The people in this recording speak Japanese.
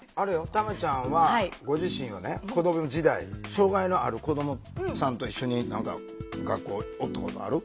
たまちゃんはご自身はね子ども時代障害のある子どもさんと一緒に何か学校おったことある？